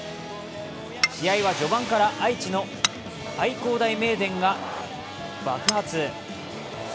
試合は序盤から愛知の愛工大名電が爆発。